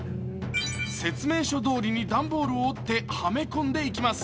説明書どおりに段ボールを折ってはめ込んでいきます。